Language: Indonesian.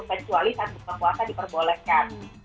kecuali saat buka puasa diperbolehkan